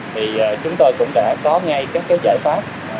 thì chúng tôi cũng đã có ngay các giải pháp